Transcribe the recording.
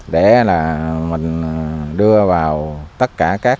để mình đưa vào tất cả các